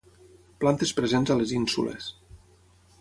Plantes presents a les ínsules.